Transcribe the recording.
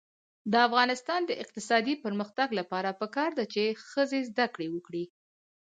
د افغانستان د اقتصادي پرمختګ لپاره پکار ده چې ښځې زده کړې وکړي.